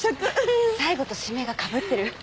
最後と締めが被ってる。